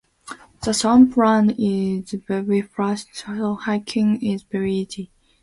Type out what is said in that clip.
The swamp land is very flat so hiking is very easy.